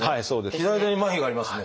左手にまひがありますね。